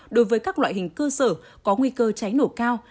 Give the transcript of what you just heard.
đối với các loại hình cơ sở có nguy cơ cháy nổ cao